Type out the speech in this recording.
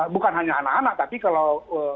bukan hanya anak anak tapi kalau